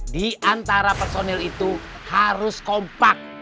di antara personil itu harus kompak